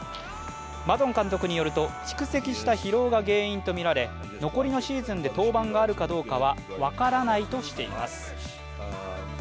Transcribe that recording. マドン監督によると、蓄積した疲労が原因とみられ残りのシーズンで登板があるかどうかは分からないとしています。